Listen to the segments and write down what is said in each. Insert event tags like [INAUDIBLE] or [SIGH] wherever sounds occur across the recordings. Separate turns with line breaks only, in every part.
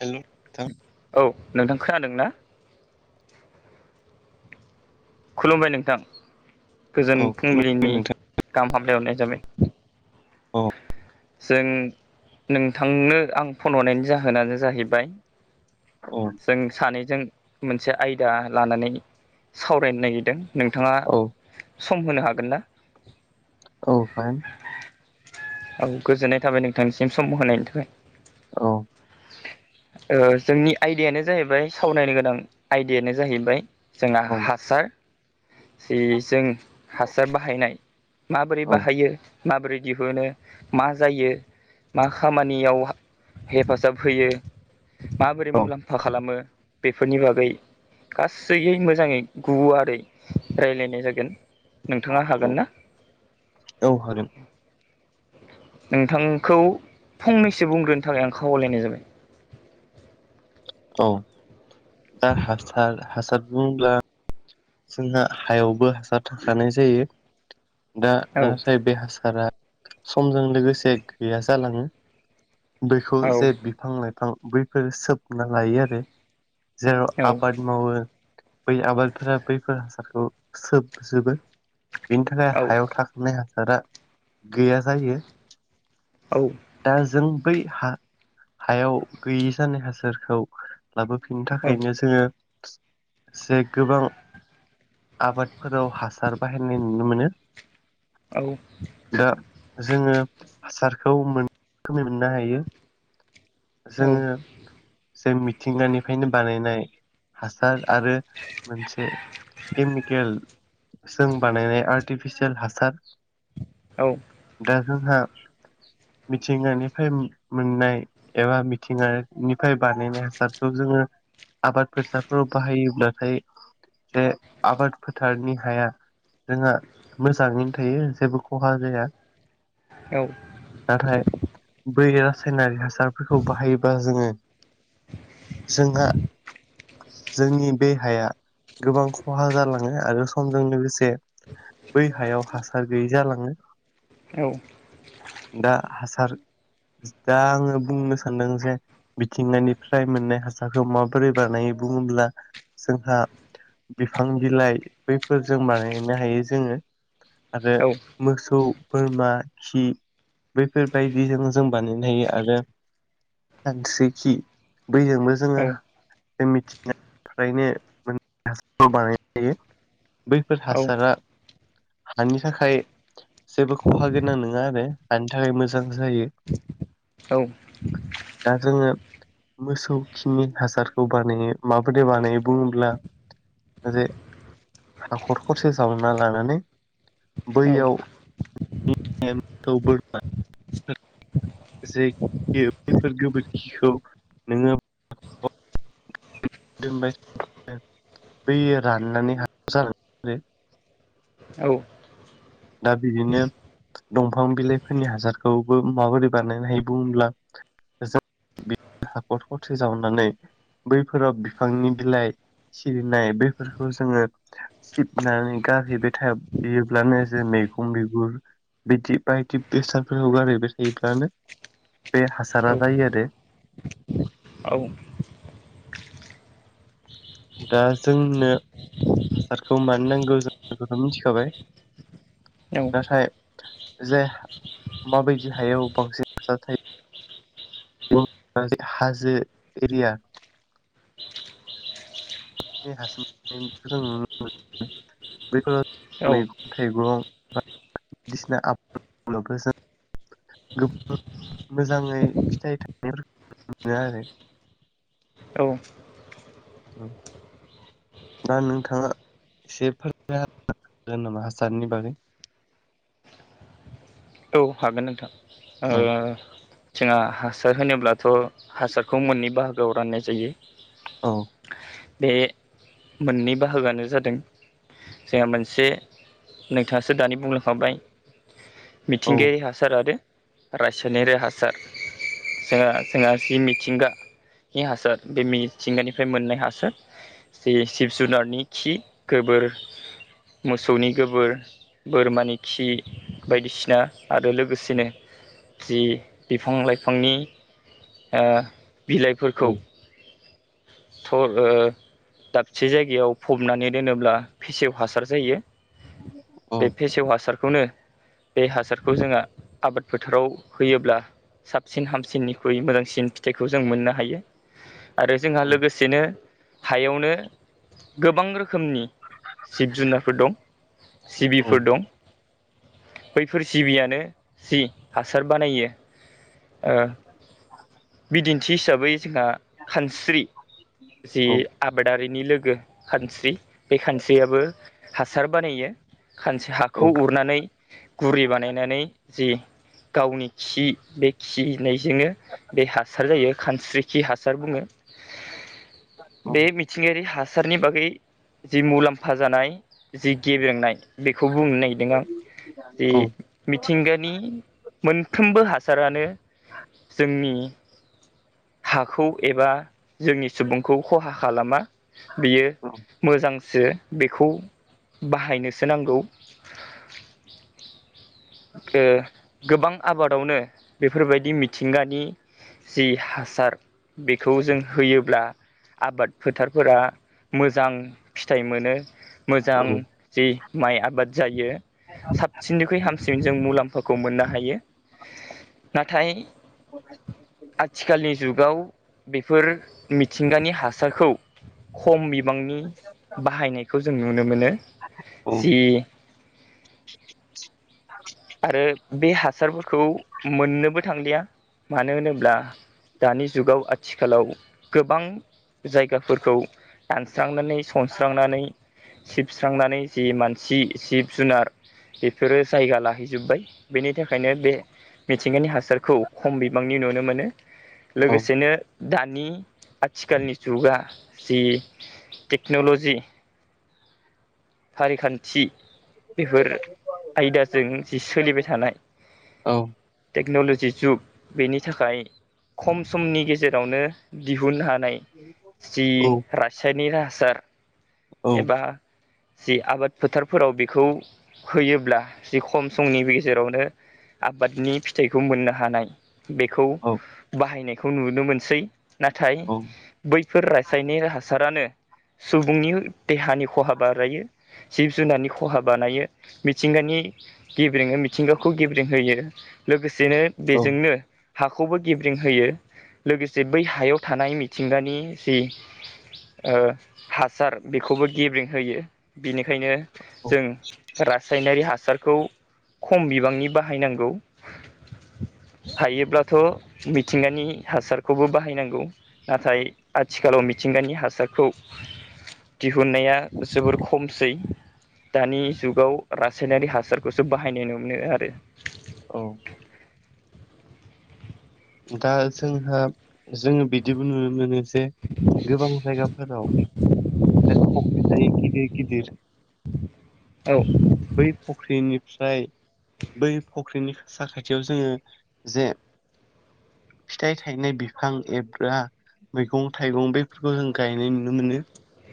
हेल' नोंथां
औ नोंथां खोनादों ना? खुलुमबाय नोंथां गोजोन
औ खुलुमबाय
फुंबिलिनि
नोंथां
गाहाम हामलायहरनाय जाबाय
औ
जों नोंथांनो आं फन हरनायनि जाहोनानो जाहैबाय
औ
जों सानैजों मोनसे आयदा लानानै सावरायनो नागिरदों नोंथाङा
औ
सम होनो हागोन ना?
औ हागोन।
औ गोजोननाय थाबाय नोंथांनिसिम सम होनायनि थाखाय
औ
ओ जोंनि आयदायानो जाहैबाय सावरायनो गोनां आयदायानो जाहैबाय जोंहा
औ
हासार [INAUDIBLE] जि जों हासार बाहायनाय माबोरै
औ
बाहायो माबोरै दिहुनो मा जायो मा खामानियाव हेफाजाब होयो माबोरै मुलाम्फा खालामो बेफोरनि बागै गासैयै मोजाङै गुवारै रायलायनाय जागोन नोंथाङा
औ
हागोन ना?
औ हागोन
नोंथांखौ फंनैसो बुंग्रोनो थाखाय आं खावलायलायनाय जाबाय [INAUDIBLE]
औ दा हासार हासार बुंब्ला जोंहा हायावबो हासार थाखानाय जायो दा
औ
नाथाय बे हासारा समजों लोगोसे गैया जालाङो बैखौ
औ
जे बिफां लाइफां बैफोरो सोबना लायो आरो जेराव
औ
आबाद मावो बै आबादफोरा बैफोर हासारखौ सोबजोबो बेनि थाखाय
औ
हायाव थाखानाय हासार गैया जायो
औ
दा जों बै हा हायाव गैयि जानाय हासारखौ लाबोफिननो थाखायनो जोङो जे गोबां आबादफोराव हासार बाहायनाय नुनो मोनो
औ
दा जोङो हासारखौ मोननै रोखोमै मोननो हायो
औ
जोङो जों मिथिंगानिफ्रायनो बानायनाय हासार आरो मोनसे केमिकेल जों बानायनाय आर्टिफिसियेल हासार
औ
दा जोंहा मिथिंगानिफ्राय मोननाय एबा मिथिंगानिफ्राय बानायनाय हासारखौ जोङो आबाद फोसाफोराव बाहायोब्लाथाय जे आबाद फोथारनि हाया जोंहा मोजाङैनो थायो जेबो खहा जाया
औ
नाथाय बै रासायनारि हासारफोरखौ बाहायोबा जोङो जोंहा जोंनि दहाया गोबां खहा जालाङो आरो समजों लोगोसे बै हायाव हासार गैयैजालाङो
औ
दा हासार दा आङो बुंनो सानदों जे मिथिंगानिफ्राय मोननाय हासारखौ माबोरै बानायो बुङोब्ला जोंहा बिफां बिलाइ बैफोरजों बानायनो हायो जोङो आरो मोसौ बोरमा खि बैफोरबायदिजों जों बानायनो हायो आरो सानस्रिखि बयजोंबो जोङो मिथि नो हासार बानायनाय जायो बैफोर हासारा हानि थाखाय जेबो खहा गोनां नङा आरो हानि थाखाय मोजां जायो
[INAUDIBLE]
दा जोङो मोसौ खिनि हासारखौ बानायो माबोरै बानायो बुङोब्ला आरो हाखर खरसे जावना लानानै बैयाव नेखौ बोरमोन जेखि बेफोर गोबोरखिखौ नोङो बेफोरबायदि राननानै हासार जालांनाय आरो
औ
दा बिदिनो दंफां बिलाइफोरनि हासारखौबो माबोरै बानायनो हायो बुङोब्ला हाखर दखरसे जावनानै बैफोराव बिफांनि बिलाइ सिरिनाय बेफोरखौ जोङो सिबनानै गारहैबाय थायोब्लानो जों मैगं मैगुर बिदि बायदि बेसादफोरखौ गारायबाय थायोब्लानो बे हासारा जायो आरो दा जोंनो हासारखौ मानो नांगौ जों बेखौथ' मिथिखाबाय नाथाय जे माबायदि हायो बांसिन जाथावो हाजो एरिया बांसिन जों नुनो मोन बेफोर मैगं थाइगं बायदिसिना आबाद जों गोबां मोजाङै फिथाइ सामथाइ फोरखौ नुनो मोनो आरो
औ
औ दा नोंथाङा एसे फोरोंनो हा हागोन नामा हासारनि बागै
औ हागोन नोंथां
औ
जोंहा हासार होनोब्लाथ' हासारखौ मोननै बाहागोआव राननाय जायो
औ
बे मोननै बाहागोआनो जादों जोंहा मोनसे नोंथाङासो दानि बुंलांखाबाय
औ
मिथिंगायारि हासार आरो रायसायनारि हासार जोंहा जोंहासि मिथिंगा नि हासार बे मिथिंगानिफ्राय मोननाय हासार जिब जुनारनि खि गोबोर मोसौनि गोबोर बोरमानि खि बायदिसिना आरो लोगोसेनो जि बिफां लाइफांनि
औ
बिलाइफोरखौ थ' दाबसे जायगायाव फबनानै दोनोब्ला फेसेव हासार जायो
औ
बे फेसेव हासारखौनो बे हासारखौ जोंहा आबाद फोथाराव होयोब्ला साबसिन हामसिननिख्रुइ मोजांसिन फिथाइखौ जों मोननो हायो आरो जोंहा
औ
लोगोसेनो हायावनो गोबां रोखोम रोखोमनि जिब जुनारफोर दं जिबिफोर दं बैफोर जिबियानो जि हासार बानायो
बे
थिं हिसाबै जोंहा खानस्रि जि
औ
आबादारि नि लोगो खानस्रि बे खानस्रियाबो हासार बानायो खानसे हाखौ
औ
उरनानै गुरि बानायनानै जि गावनि खि बे खिनायजोंनो बे हासार जायो खानस्रि खि हासार बुङो
ओमफाय
बे मिथिंगायारि हासार सारनि बागै जि मुलामफा जानाय जि गेब्रेंनाय बेखौ खौ बुंनो नागिरदों आं जे मिथिंगानि मोनफ्रोमबो हासारानो जोंनि हाखौ एबा जोंनि सुबुंखौ ख'हा खालामा बियो
औ
मोजां बेखौ बाहायनोसो नांगौ ओ गोबां आबादावनो बेफोरबायदि मिथिंगानि जि हासार बेखौ जों होयोब्ला आबाद फोथारफोरा मोजां फिथाइ मोनो मोजां जि माइ आबाद जायो साबसिननिख्रुइ हामसिन जों मुलामफाखौ मोननो हायो नाथाय आथिखालनि जुग गाव बेफोर मिथिंगानि हासारखौ खम बांनि बाहायनायखौ जों नुनो मोनो
औ
जि आरो बे हासारफोरखौ मोननोबो थांलिया मानो होनोब्ला दानि जुगाव आथिखालाव गोबां जायगाफोरखौ दानस्रांनानै सनस्रांनानै सिबस्रांनानै जि मानसि जिब जुनार बेफोरो जायगा लाहै जोबबाय बेनि थाखायनो बे मिथिंगानि हासारखौ खम बिबांनि नुनो मोनो लोगोसेनो दानि आथिखालनि जुगा जि टेक्न'ल'जि फारिखानथि बेफोर आयदाजों जि सोलिबाय थानाय टेक्न'लजि नि जुग बेनि थाखाय खम समनि गेजेरावनो दिहुन हा नाय जि रासायनिक हासार
औ
एबा जि आबाद फोथारफोराव बेखौ होयोब्ला जि खम समनि गेजेरावनो आबादनि फिथाइखौ मोननो हानाय बेखौ बाहायनायखौ नुनो मोनसै नाथाय बैफोर रासायनिक हासारानो सुबुंनि देहानि ख'हा बानायो जिब जुनारनि ख'हा बानायो मिथिंगानि गेब्लेङो मिथिंगाखौ गेब्रेंहोयो लोगोसेनो
औ
बेजोंनो हाखौबो गेब्रेंहयो लोगोसे बै हायाव थानाय मिथिंगानि जि ओ हासार बेखौबो गेब्रें होयो बेनिखायनो जों रासायनारि हासार सारखौ खम बिबांनि बाहायनांगौ हायोब्लाथ' मिथिंगानि हासारखौबो बाहायनांगौ नाथाय आथिख आथिखालाव मिथिंगानि हासारखौ दिहुननाया जोबोर खमसै दानि जुगाव रासायनारि हासारखौसो बाहायनाय नु मोनो आरो
औ दा जोंहा जोङो बिदिबो नुनो मोनो गोबां जायगाफोराव फख्रि थायो गिदिर गिदिर
औ
बै फुख्रिनि फ्राय बै फख्रिनि साखाथियाव जोङो जे फिथाइ थायनाय बिफां एब्रा मैगं थाइगं बैफोरखौ जों गायनाय नुनो मोनो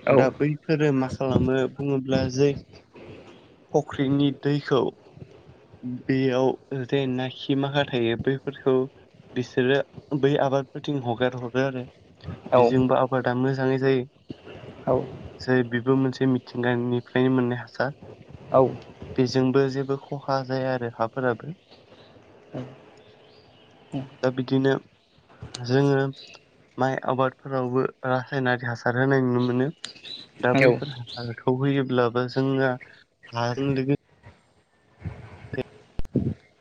औ
दा बैफोरो मा खालामो बुङोब्ला जै फख फुख्रिनि दैखौ बेयाव जेनाखि माखा थायो बैफोरखौ बिसोरो बै आबादफोरथिं हगार हरो आरो
औ
बेजोंबो आबादा मोजाङै जायो
औ
जेरै बेबो मोनसे मिथिंगानिफ्रायनो मोननाय हासार
औ
बेजोंबो जेबो खहा जाया आरो हाफोराबो दा बिदिनो जोङो माइ आबादफोरावबो रासायनारि हासार होनाय नुनो मोनो दा बैफोर हासारखौ होयोब्लाबो जोंना हाजों लोगो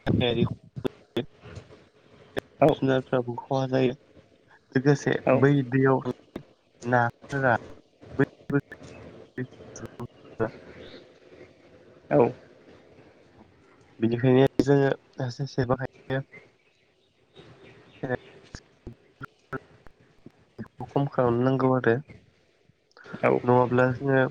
गायारि जिब जुनारफ्राबो खहा जायो लोगोसे
औ
बै दैयाव नाफोरा [UNINTELLIGIBLE]
औ
बेनिखायनो जोङो [UNINTELLIGIBLE] बाहायो [UNINTELLIGIBLE] बेखौ खम खालामनो नांगौ आरो
औ
नङाब्ला जोङो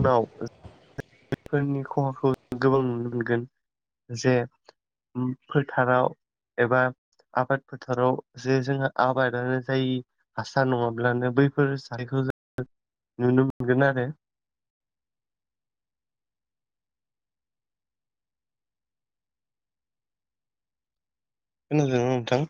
उनाव [UNINTELLIGIBLE] फोरनि खहाखौ गोबां नुनो मोनगोन जे फोथाराव एबा आबाद फोथाराव जे जोंहा आबादानो जायि हासार नङाब्लानो बैफोर सारखौ [UNINTELLIGIBLE] नुनो मोनगोन आरो खोनादोना नोंथां